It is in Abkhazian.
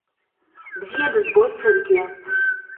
Бзиа дызбоит саргьы.